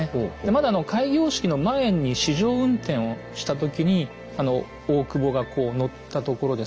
まだ開業式の前に試乗運転をした時に大久保がこう乗ったところですね